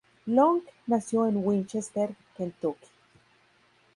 Long nació en Winchester, Kentucky.